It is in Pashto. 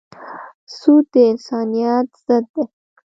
سود د انسانیت ضد دی.